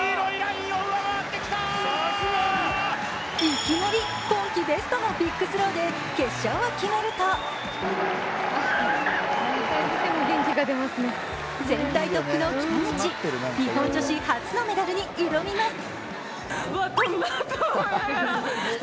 いきなり、今季ベストのビッグスローで決勝を決めると全体トップの北口、日本女子発のメダルに挑みます。